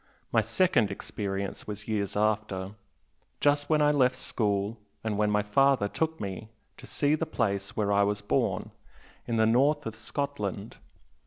My second experience was years after, just when I left school and when my father took me to see the place where I was born, in the north of Scotland.